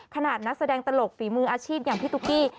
นักแสดงตลกฝีมืออาชีพอย่างพี่ตุ๊กกี้